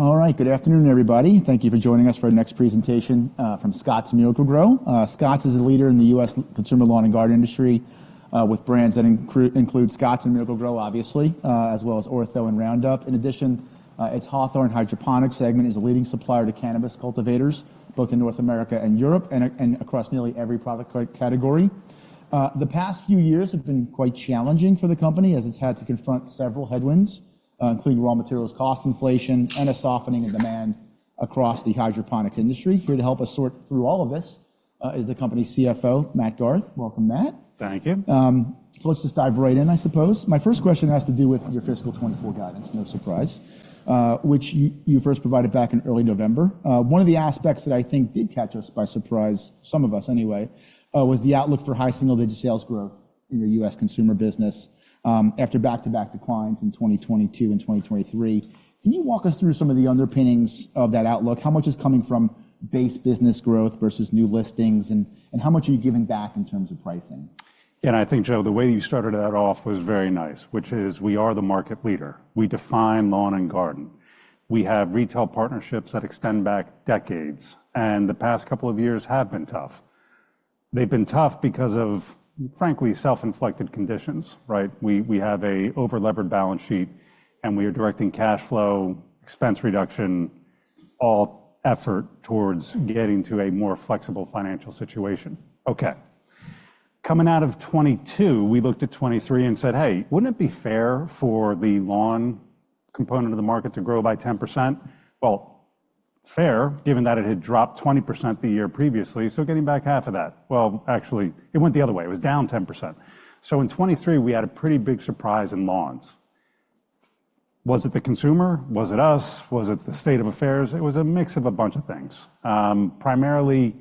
All right, good afternoon, everybody. Thank you for joining us for our next presentation, from Scotts Miracle-Gro. Scotts is a leader in the U.S. consumer lawn and garden industry, with brands that include Scotts and Miracle-Gro, obviously, as well as Ortho and Roundup. In addition, its Hawthorne hydroponic segment is a leading supplier to cannabis cultivators, both in North America and Europe, and across nearly every product category. The past few years have been quite challenging for the company as it's had to confront several headwinds, including raw materials cost inflation and a softening of demand across the hydroponic industry. Here to help us sort through all of this, is the company's CFO, Matt Garth. Welcome, Matt. Thank you. So let's just dive right in, I suppose. My first question has to do with your fiscal 2024 guidance, no surprise, which you, you first provided back in early November. One of the aspects that I think did catch us by surprise, some of us anyway, was the outlook for high single-digit sales growth in your U.S. consumer business, after back-to-back declines in 2022 and 2023. Can you walk us through some of the underpinnings of that outlook? How much is coming from base business growth versus new listings, and, and how much are you giving back in terms of pricing? Yeah, and I think, Joe, the way that you started that off was very nice, which is we are the market leader. We define lawn and garden. We have retail partnerships that extend back decades, and the past couple of years have been tough. They've been tough because of, frankly, self-inflicted conditions, right? We have a over-leveraged balance sheet, and we are directing cash flow, expense reduction, all effort towards getting to a more flexible financial situation. Okay. Coming out of 2022, we looked at 2023 and said, "Hey, wouldn't it be fair for the lawn component of the market to grow by 10%?" Well, fair, given that it had dropped 20% the year previously. So getting back half of that well, actually, it went the other way. It was down 10%. So in 2023, we had a pretty big surprise in lawns. Was it the consumer? Was it us? Was it the state of affairs? It was a mix of a bunch of things. Primarily,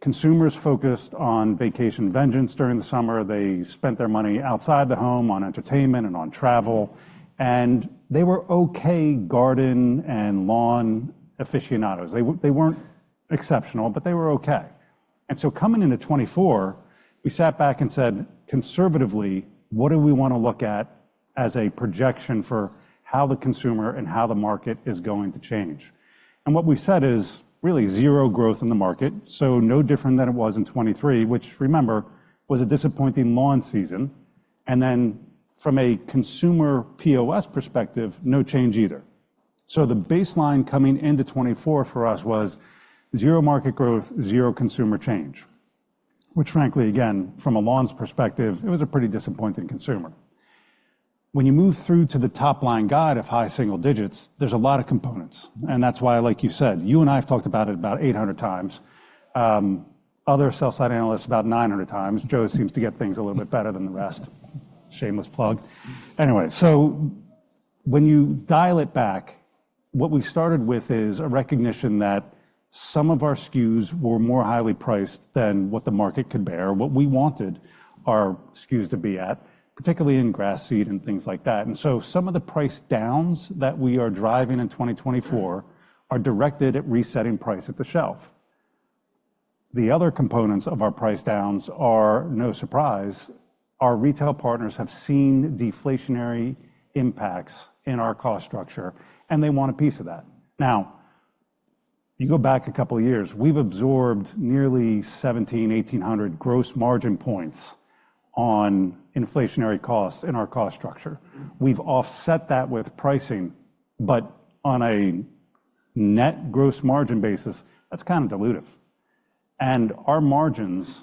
consumers focused on vacation vengeance during the summer. They spent their money outside the home on entertainment and on travel. And they were okay garden and lawn aficionados. They weren't exceptional, but they were okay. And so coming into 2024, we sat back and said, conservatively, what do we want to look at as a projection for how the consumer and how the market is going to change? And what we said is really zero growth in the market, so no different than it was in 2023, which, remember, was a disappointing lawn season. And then from a consumer POS perspective, no change either. So the baseline coming into 2024 for us was zero market growth, zero consumer change, which, frankly, again, from a lawn's perspective, it was a pretty disappointing consumer. When you move through to the top-line guide of high single digits, there's a lot of components. And that's why, like you said, you and I have talked about it about 800 times, other sell-side analysts about 900 times. Joe seems to get things a little bit better than the rest. Shameless plug. Anyway, so when you dial it back, what we started with is a recognition that some of our SKUs were more highly priced than what the market could bear, what we wanted our SKUs to be at, particularly in grass seed and things like that. And so some of the price downs that we are driving in 2024 are directed at resetting price at the shelf. The other components of our price downs are, no surprise, our retail partners have seen deflationary impacts in our cost structure, and they want a piece of that. Now, you go back a couple of years, we've absorbed nearly 1,700, 1,800 gross margin points on inflationary costs in our cost structure. We've offset that with pricing, but on a net gross margin basis, that's kind of dilutive. And our margins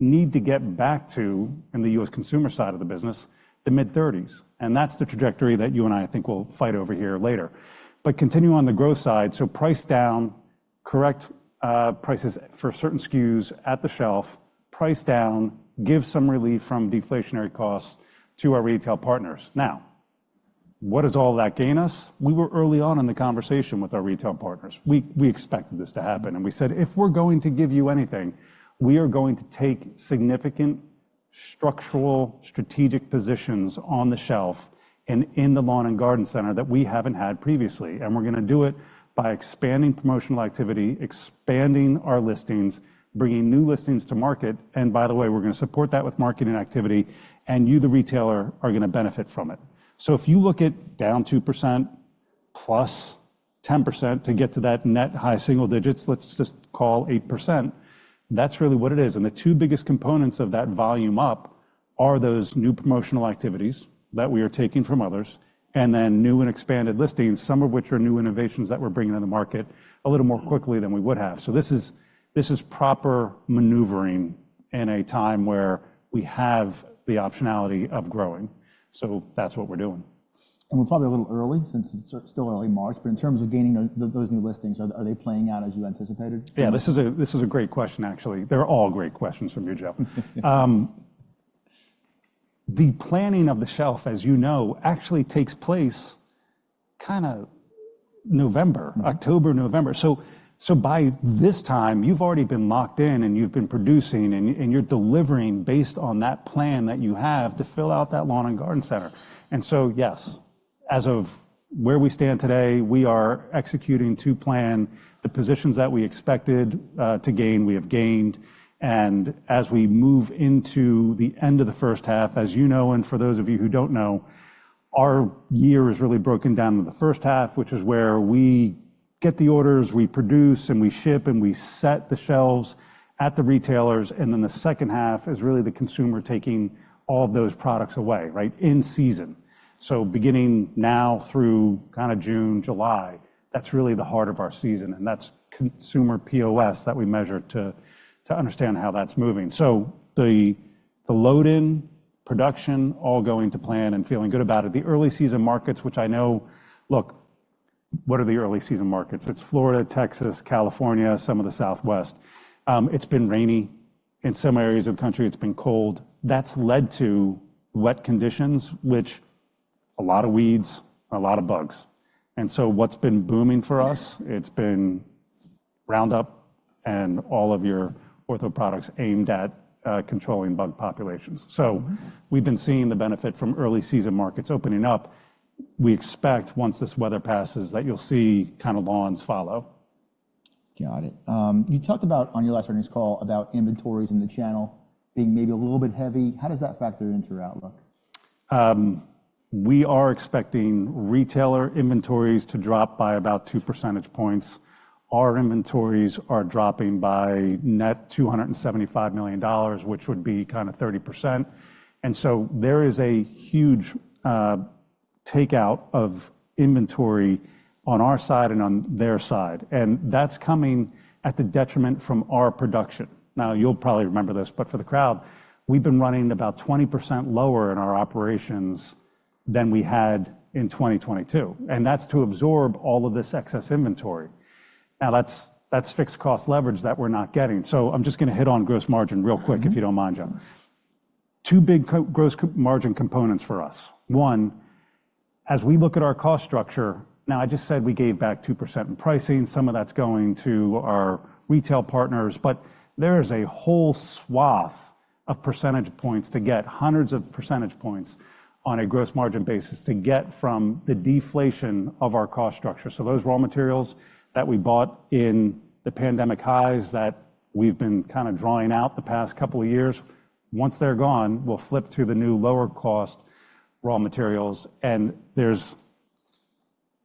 need to get back to, in the U.S. consumer side of the business, the mid-30s. And that's the trajectory that you and I think we'll fight over here later. But continue on the growth side. So price down, correct, prices for certain SKUs at the shelf, price down, give some relief from deflationary costs to our retail partners. Now, what does all that gain us? We were early on in the conversation with our retail partners. We, we expected this to happen. And we said, "If we're going to give you anything, we are going to take significant structural, strategic positions on the shelf and in the lawn and garden center that we haven't had previously. And we're going to do it by expanding promotional activity, expanding our listings, bringing new listings to market. And by the way, we're going to support that with marketing activity. And you, the retailer, are going to benefit from it." So if you look at down 2%+ 10% to get to that net high single digits, let's just call 8%, that's really what it is. The two biggest components of that volume up are those new promotional activities that we are taking from others and then new and expanded listings, some of which are new innovations that we're bringing to the market a little more quickly than we would have. So this is proper maneuvering in a time where we have the optionality of growing. So that's what we're doing. And we're probably a little early since it's still early March. But in terms of gaining those new listings, are they playing out as you anticipated? Yeah, this is a this is a great question, actually. They're all great questions from you, Joe. The planning of the shelf, as you know, actually takes place kind of November, October, November. So, so by this time, you've already been locked in and you've been producing and, and you're delivering based on that plan that you have to fill out that lawn and garden center. And so, yes, as of where we stand today, we are executing to plan the positions that we expected to gain. We have gained. And as we move into the end of the first half, as you know, and for those of you who don't know, our year is really broken down into the first half, which is where we get the orders, we produce, and we ship, and we set the shelves at the retailers. And then the second half is really the consumer taking all of those products away, right, in season. So beginning now through kind of June, July, that's really the heart of our season. And that's consumer POS that we measure to, to understand how that's moving. So the load-in, production all going to plan and feeling good about it. The early season markets, which I know look, what are the early season markets? It's Florida, Texas, California, some of the Southwest. It's been rainy in some areas of the country. It's been cold. That's led to wet conditions, which a lot of weeds, a lot of bugs. And so what's been booming for us, it's been Roundup and all of your Ortho products aimed at, controlling bug populations. So we've been seeing the benefit from early season markets opening up. We expect, once this weather passes, that you'll see kind of lawns follow. Got it. You talked about on your last earnings call about inventories in the channel being maybe a little bit heavy. How does that factor into your outlook? We are expecting retailer inventories to drop by about 2 percentage points. Our inventories are dropping by net $275 million, which would be kind of 30%. And so there is a huge takeout of inventory on our side and on their side. And that's coming at the detriment from our production. Now, you'll probably remember this, but for the crowd, we've been running about 20% lower in our operations than we had in 2022. And that's to absorb all of this excess inventory. Now, that's fixed cost leverage that we're not getting. So I'm just going to hit on gross margin real quick, if you don't mind, Joe. Two big core gross margin components for us. One, as we look at our cost structure now, I just said we gave back 2% in pricing. Some of that's going to our retail partners. But there is a whole swath of percentage points to get hundreds of percentage points on a gross margin basis to get from the deflation of our cost structure. So those raw materials that we bought in the pandemic highs that we've been kind of drawing out the past couple of years, once they're gone, we'll flip to the new lower cost raw materials. And there's,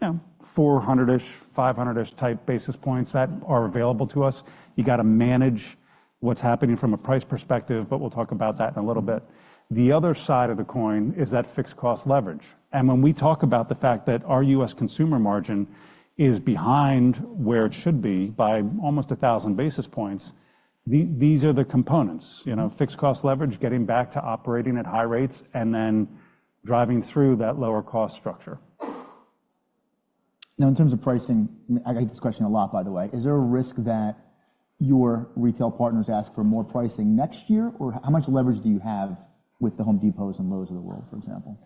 you know, 400-ish, 500-ish type basis points that are available to us. You got to manage what's happening from a price perspective, but we'll talk about that in a little bit. The other side of the coin is that fixed cost leverage. And when we talk about the fact that our U.S. consumer margin is behind where it should be by almost 1,000 basis points. These are the components, you know, fixed cost leverage, getting back to operating at high rates, and then driving through that lower cost structure. Now, in terms of pricing, I mean, I get this question a lot, by the way. Is there a risk that your retail partners ask for more pricing next year, or how much leverage do you have with the Home Depots and Lowe's of the world, for example?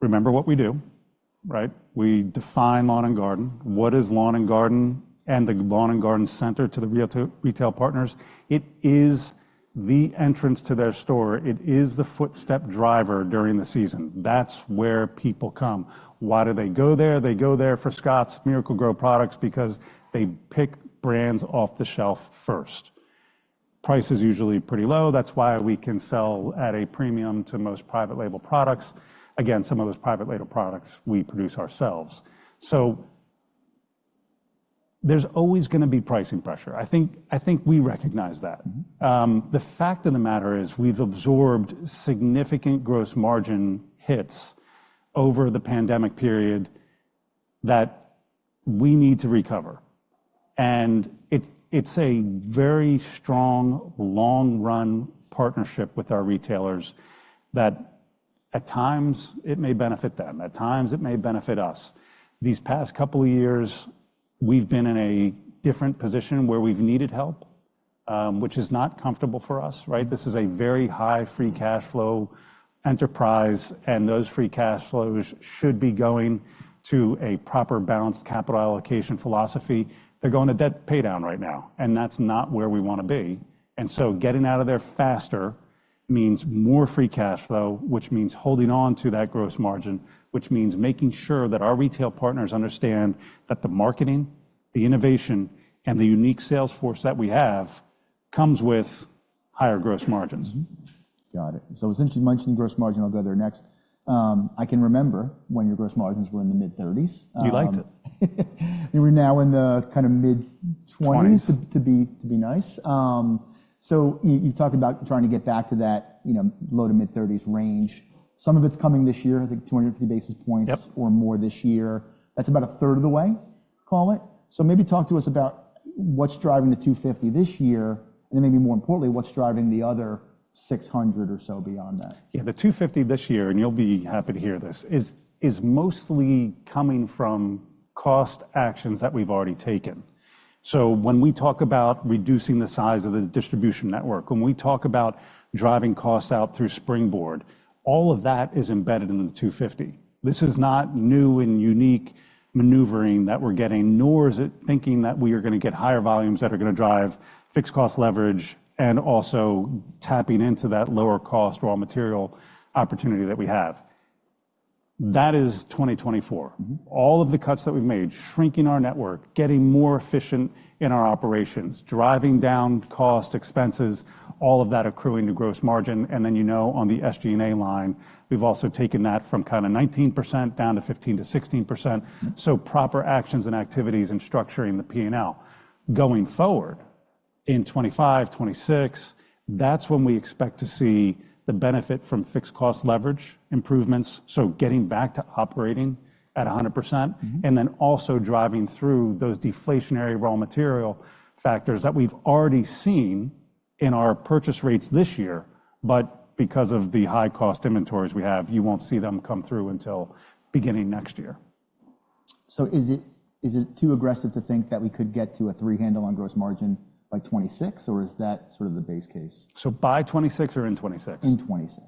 Remember what we do, right? We define lawn and garden. What is lawn and garden and the lawn and garden center to the retail partners? It is the entrance to their store. It is the foot traffic driver during the season. That's where people come. Why do they go there? They go there for Scotts Miracle-Gro products because they pick brands off the shelf first. Price is usually pretty low. That's why we can sell at a premium to most private label products. Again, some of those private label products, we produce ourselves. So there's always going to be pricing pressure. I think I think we recognize that. The fact of the matter is we've absorbed significant gross margin hits over the pandemic period that we need to recover. It's a very strong, long-run partnership with our retailers that at times it may benefit them. At times it may benefit us. These past couple of years, we've been in a different position where we've needed help, which is not comfortable for us, right? This is a very high free cash flow enterprise, and those free cash flows should be going to a proper balanced capital allocation philosophy. They're going to debt paydown right now, and that's not where we want to be. And so getting out of there faster means more free cash flow, which means holding on to that gross margin, which means making sure that our retail partners understand that the marketing, the innovation, and the unique sales force that we have comes with higher gross margins. Got it. So since you mentioned gross margin, I'll go there next. I can remember when your gross margins were in the mid-30s. You liked it. You were now in the kind of mid-20s to be nice. So you've talked about trying to get back to that, you know, low to mid-30s range. Some of it's coming this year, I think, 250 basis points or more this year. That's about a third of the way, call it. So maybe talk to us about what's driving the 250 this year, and then maybe more importantly, what's driving the other 600 or so beyond that. Yeah, the $250 this year, and you'll be happy to hear this, is mostly coming from cost actions that we've already taken. So when we talk about reducing the size of the distribution network, when we talk about driving costs out through Springboard, all of that is embedded in the $250. This is not new and unique maneuvering that we're getting, nor is it thinking that we are going to get higher volumes that are going to drive fixed cost leverage and also tapping into that lower cost raw material opportunity that we have. That is 2024. All of the cuts that we've made, shrinking our network, getting more efficient in our operations, driving down cost expenses, all of that accruing to gross margin. And then, you know, on the SG&A line, we've also taken that from kind of 19% down to 15%-16%. So proper actions and activities and structuring the P&L going forward in 2025, 2026, that's when we expect to see the benefit from fixed cost leverage improvements. So getting back to operating at 100% and then also driving through those deflationary raw material factors that we've already seen in our purchase rates this year. But because of the high cost inventories we have, you won't see them come through until beginning next year. Is it too aggressive to think that we could get to a three handle on gross margin by 2026, or is that sort of the base case? By 2026 or in 2026? In '26.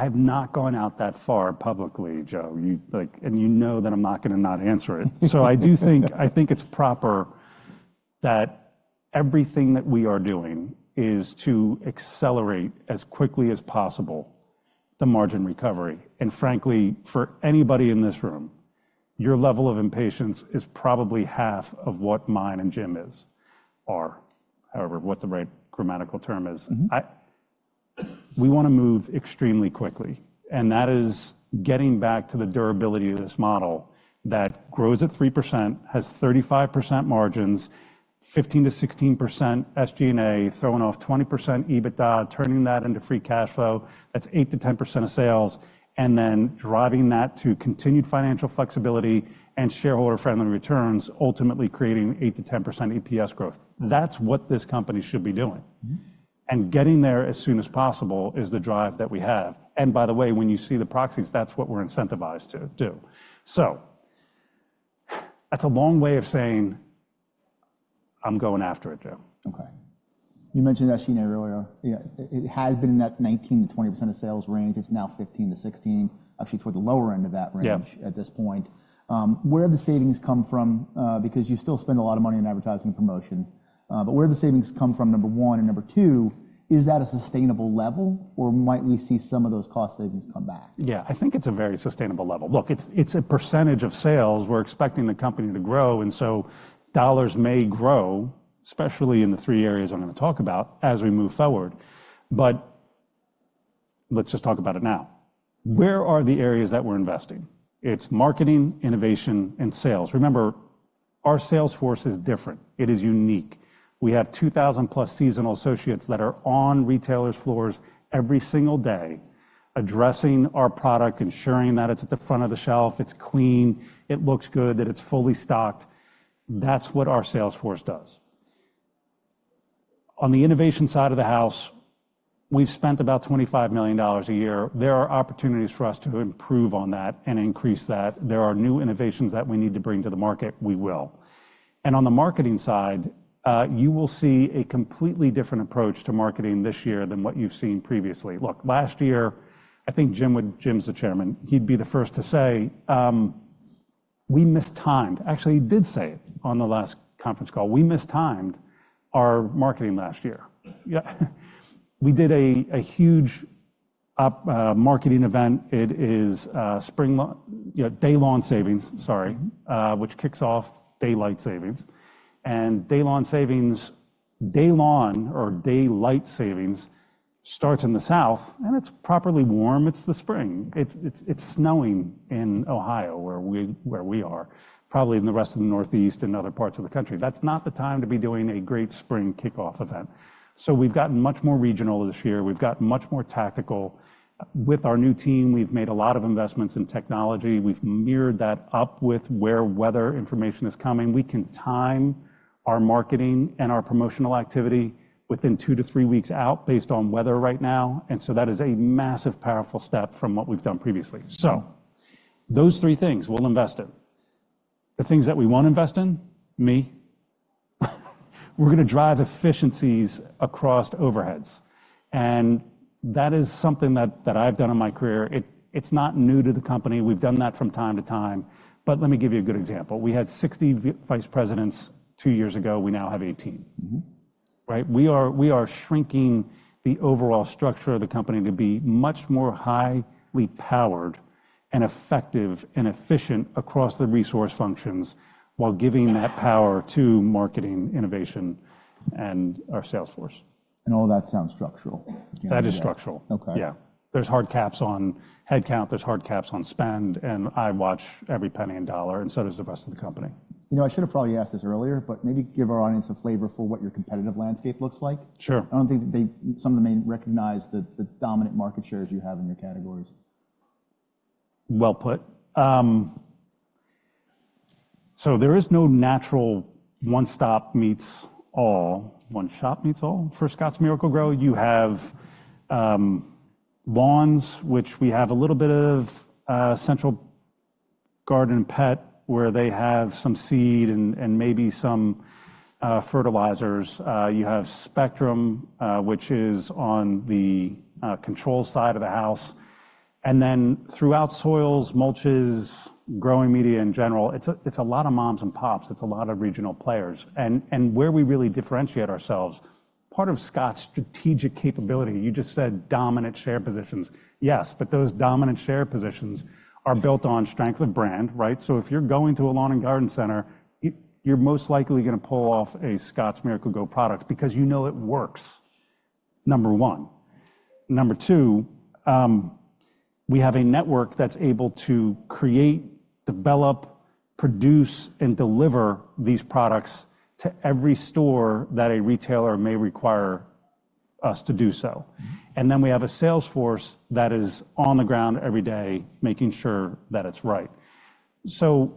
I have not gone out that far publicly, Joe. You like, and you know that I'm not going to not answer it. So I do think it's proper that everything that we are doing is to accelerate as quickly as possible the margin recovery. And frankly, for anybody in this room, your level of impatience is probably half of what mine and Jim's are, however, what the right grammatical term is. We want to move extremely quickly, and that is getting back to the durability of this model that grows at 3%, has 35% margins, 15%-16% SG&A, throwing off 20% EBITDA, turning that into free cash flow. That's 8%-10% of sales, and then driving that to continued financial flexibility and shareholder-friendly returns, ultimately creating 8%-10% EPS growth. That's what this company should be doing. Getting there as soon as possible is the drive that we have. By the way, when you see the proxies, that's what we're incentivized to do. That's a long way of saying I'm going after it, Joe. Okay. You mentioned SG&A earlier. Yeah, it has been in that 19%-20% of sales range. It's now 15%-16%, actually toward the lower end of that range at this point. Where do the savings come from? Because you still spend a lot of money on advertising and promotion. But where do the savings come from? Number one and number two, is that a sustainable level, or might we see some of those cost savings come back? Yeah, I think it's a very sustainable level. Look, it's a percentage of sales. We're expecting the company to grow. And so dollars may grow, especially in the three areas I'm going to talk about as we move forward. But let's just talk about it now. Where are the areas that we're investing? It's marketing, innovation, and sales. Remember, our sales force is different. It is unique. We have 2,000+ seasonal associates that are on retailers' floors every single day addressing our product, ensuring that it's at the front of the shelf, it's clean, it looks good, that it's fully stocked. That's what our sales force does. On the innovation side of the house, we've spent about $25 million a year. There are opportunities for us to improve on that and increase that. There are new innovations that we need to bring to the market. We will. On the marketing side, you will see a completely different approach to marketing this year than what you've seen previously. Look, last year, I think Jim's the chairman. He'd be the first to say, we misstimed. Actually, he did say it on the last conference call. We misstimed our marketing last year. Yeah, we did a huge upfront marketing event. It is spring, you know, Daylight Savings, sorry, which kicks off daylight savings. And Daylight Savings, Daylight or daylight savings starts in the south, and it's properly warm. It's the spring. It's snowing in Ohio, where we are, probably in the rest of the Northeast and other parts of the country. That's not the time to be doing a great spring kickoff event. So we've gotten much more regional this year. We've gotten much more tactical with our new team. We've made a lot of investments in technology. We've mirrored that up with where weather information is coming. We can time our marketing and our promotional activity within 2-3-weeks out based on weather right now. And so that is a massive, powerful step from what we've done previously. So those three things, we'll invest in the things that we want to invest in. Me, we're going to drive efficiencies across overheads. And that is something that I've done in my career. It's not new to the company. We've done that from time to time. But let me give you a good example. We had 60 vice presidents 2 years ago. We now have 18, right? We are shrinking the overall structure of the company to be much more highly powered and effective and efficient across the resource functions while giving that power to marketing, innovation, and our sales force. All of that sounds structural. That is structural. Okay. Yeah. There's hard caps on headcount. There's hard caps on spend. And I watch every penny and dollar. And so does the rest of the company. You know, I should have probably asked this earlier, but maybe give our audience a flavor for what your competitive landscape looks like. Sure. I don't think that some of them may recognize the dominant market shares you have in your categories. Well put. So there is no natural one-stop meets all, one-shop meets all for Scotts Miracle-Gro. You have lawns, which we have a little bit of Central Garden & Pet where they have some seed and maybe some fertilizers. You have Spectrum, which is on the control side of the house. And then throughout soils, mulches, growing media in general, it's a lot of moms and pops. It's a lot of regional players. And where we really differentiate ourselves, part of Scotts's strategic capability, you just said dominant share positions. Yes, but those dominant share positions are built on strength of brand, right? So if you're going to a lawn and garden center, you're most likely going to pull off a Scotts Miracle-Gro product because you know it works, number one. Number two, we have a network that's able to create, develop, produce, and deliver these products to every store that a retailer may require us to do so. And then we have a sales force that is on the ground every day making sure that it's right. So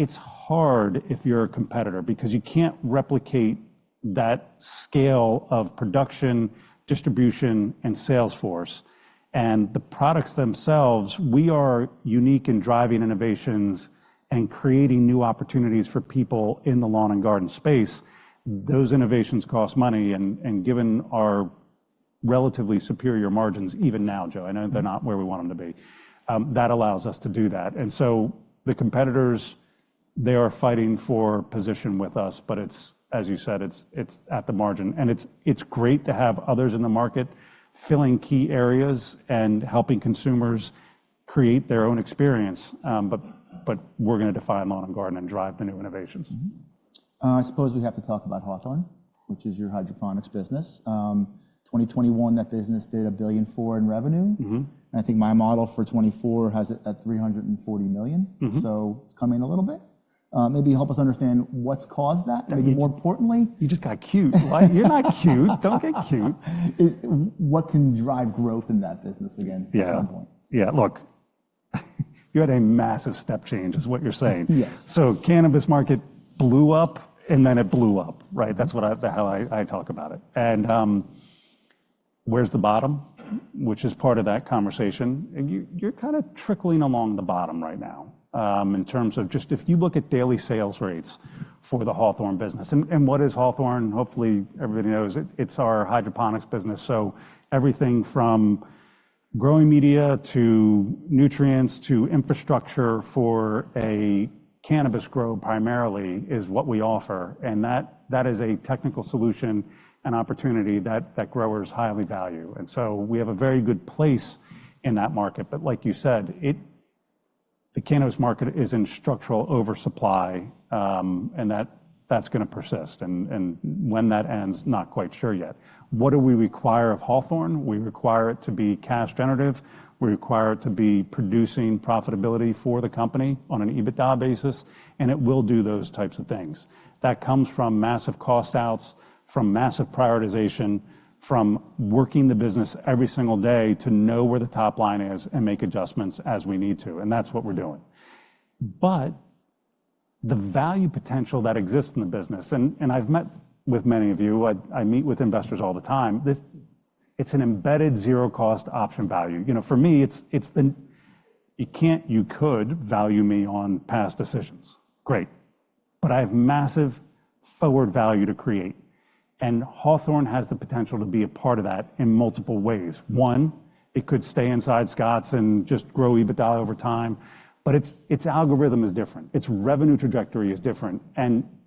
it's hard if you're a competitor because you can't replicate that scale of production, distribution, and sales force. And the products themselves, we are unique in driving innovations and creating new opportunities for people in the lawn and garden space. Those innovations cost money. And given our relatively superior margins, even now, Joe, I know they're not where we want them to be. That allows us to do that. And so the competitors, they are fighting for position with us. But it's, as you said, it's at the margin. It's great to have others in the market filling key areas and helping consumers create their own experience. But we're going to define lawn and garden and drive the new innovations. I suppose we have to talk about Hawthorne, which is your hydroponics business. 2021, that business did $1 billion in revenue. And I think my model for 2024 has it at $340 million. So it's coming a little bit. Maybe help us understand what's caused that. Maybe more importantly. You just got cute. You're not cute. Don't get cute. What can drive growth in that business again at some point? Yeah. Yeah. Look, you had a massive step change, is what you're saying. So cannabis market blew up and then it blew up, right? That's what I, how I talk about it. And where's the bottom, which is part of that conversation? And you're kind of trickling along the bottom right now in terms of just if you look at daily sales rates for the Hawthorne business and what is Hawthorne, hopefully everybody knows it's our hydroponics business. So everything from growing media to nutrients to infrastructure for a cannabis grow primarily is what we offer. And that is a technical solution and opportunity that growers highly value. And so we have a very good place in that market. But like you said, the cannabis market is in structural oversupply and that's going to persist. And when that ends, not quite sure yet. What do we require of Hawthorne? We require it to be cash generative. We require it to be producing profitability for the company on an EBITDA basis. It will do those types of things. That comes from massive cost outs, from massive prioritization, from working the business every single day to know where the top line is and make adjustments as we need to. That's what we're doing. The value potential that exists in the business, and I've met with many of you, I meet with investors all the time. It's an embedded zero cost option value. You know, for me, it's the you can't you could value me on past decisions. Great. I have massive forward value to create. Hawthorne has the potential to be a part of that in multiple ways. One, it could stay inside Scotts and just grow EBITDA over time. Its algorithm is different. Its revenue trajectory is different.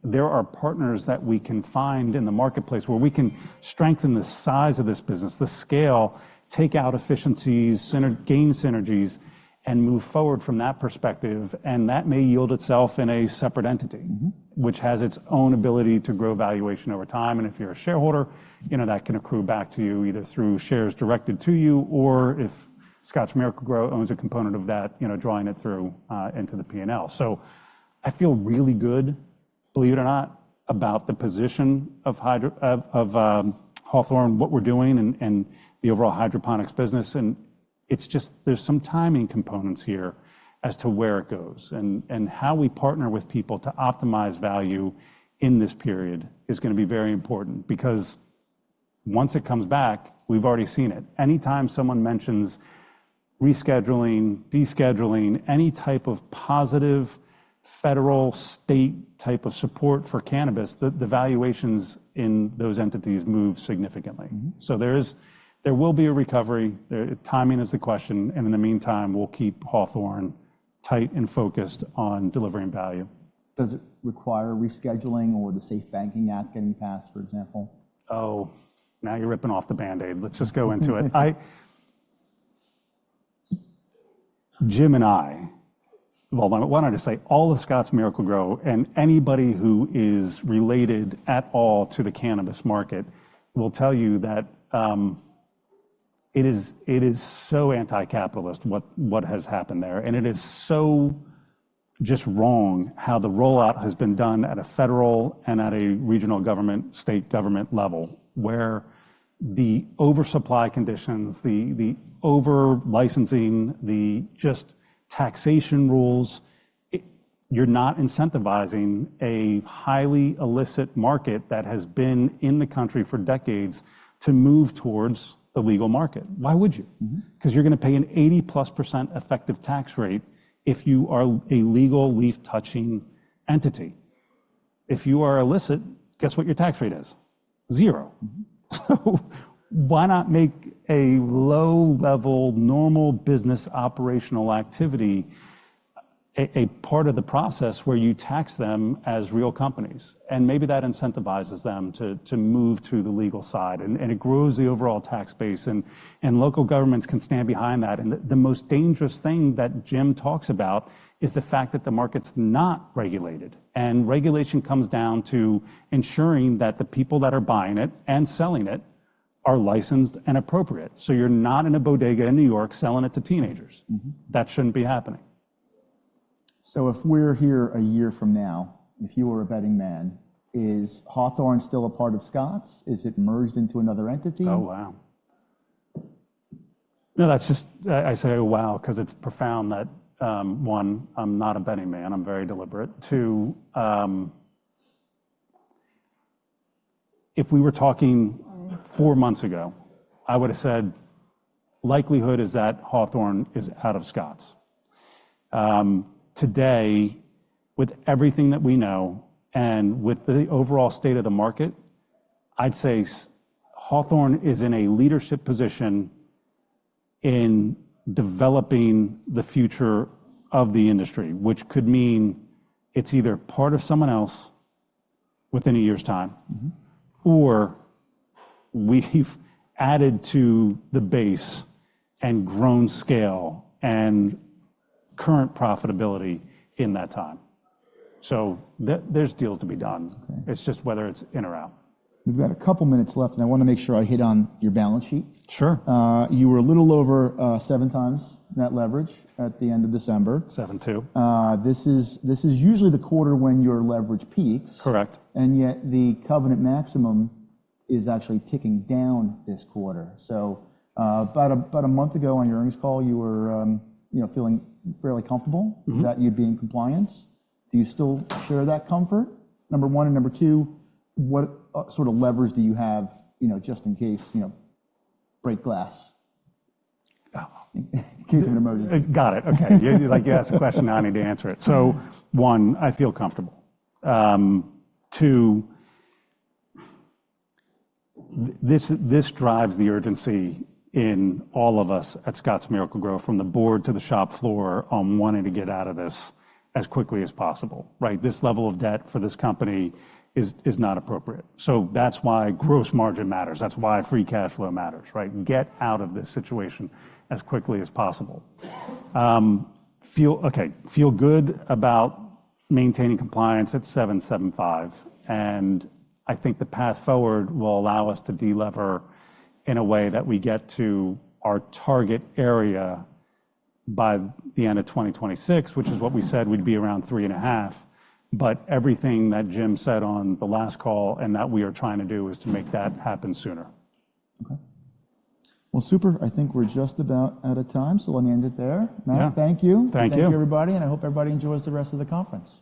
There are partners that we can find in the marketplace where we can strengthen the size of this business, the scale, take out efficiencies, gain synergies, and move forward from that perspective. That may yield itself in a separate entity, which has its own ability to grow valuation over time. If you're a shareholder, you know, that can accrue back to you either through shares directed to you or if Scotts Miracle-Gro owns a component of that, you know, drawing it through into the P&L. So I feel really good, believe it or not, about the position of Hawthorne, what we're doing and the overall hydroponics business. It's just there's some timing components here as to where it goes and how we partner with people to optimize value in this period is going to be very important because once it comes back, we've already seen it. Anytime someone mentions rescheduling, descheduling, any type of positive federal, state type of support for cannabis, the valuations in those entities move significantly. So there will be a recovery. Timing is the question. And in the meantime, we'll keep Hawthorne tight and focused on delivering value. Does it require rescheduling or the SAFE Banking Act getting passed, for example? Oh, now you're ripping off the Band-Aid. Let's just go into it. Jim and I, well, why not just say all of Scotts Miracle-Gro and anybody who is related at all to the cannabis market will tell you that it is so anti-capitalist what has happened there. And it is so just wrong how the rollout has been done at a federal and at a regional government, state government level where the oversupply conditions, the over-licensing, the just taxation rules, you're not incentivizing a highly illicit market that has been in the country for decades to move towards the legal market. Why would you? Because you're going to pay an 80%+ effective tax rate if you are a legal leaf touching entity. If you are illicit, guess what your tax rate is? Zero. So why not make a low-level, normal business operational activity a part of the process where you tax them as real companies? And maybe that incentivizes them to move to the legal side. And it grows the overall tax base. And local governments can stand behind that. And the most dangerous thing that Jim talks about is the fact that the market's not regulated. And regulation comes down to ensuring that the people that are buying it and selling it are licensed and appropriate. So you're not in a bodega in New York selling it to teenagers. That shouldn't be happening. If we're here a year from now, if you were a betting man, is Hawthorne still a part of Scotts? Is it merged into another entity? Oh, wow. No, that's just I say, oh, wow, because it's profound that one, I'm not a betting man. I'm very deliberate. Two, if we were talking four months ago, I would have said likelihood is that Hawthorne is out of Scotts. Today, with everything that we know and with the overall state of the market, I'd say Hawthorne is in a leadership position in developing the future of the industry, which could mean it's either part of someone else within a year's time or we've added to the base and grown scale and current profitability in that time. So there's deals to be done. It's just whether it's in or out. We've got a couple minutes left, and I want to make sure I hit on your balance sheet. Sure. You were a little over 7x that leverage at the end of December. Seven, two. This is usually the quarter when your leverage peaks. Correct. Yet the covenant maximum is actually ticking down this quarter. About a month ago on your earnings call, you were, you know, feeling fairly comfortable that you'd be in compliance. Do you still share that comfort? Number one and number two, what sort of levers do you have, you know, just in case, you know, break glass in case of an emergency? Got it. Okay. Like you asked a question, I need to answer it. So 1, I feel comfortable. Two, this drives the urgency in all of us at Scotts Miracle-Gro from the board to the shop floor on wanting to get out of this as quickly as possible, right? This level of debt for this company is not appropriate. So that's why gross margin matters. That's why free cash flow matters, right? Get out of this situation as quickly as possible. Feel okay. Feel good about maintaining compliance at 7.75. And I think the path forward will allow us to delever in a way that we get to our target area by the end of 2026, which is what we said we'd be around 3.5. But everything that Jim said on the last call and that we are trying to do is to make that happen sooner. Okay. Well, super. I think we're just about out of time. So let me end it there. Matt, thank you. Thank you. Thank you, everybody. I hope everybody enjoys the rest of the conference.